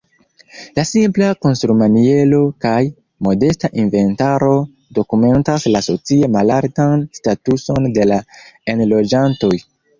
La simpla konstrumaniero kaj modesta inventaro dokumentas la socie malaltan statuson de la enloĝantoj.